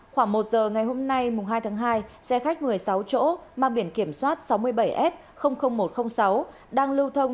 khoảng một giờ ngày hôm nay hai tháng hai xe khách một mươi sáu chỗ mang biển kiểm soát sáu mươi bảy f một trăm linh sáu đang lưu thông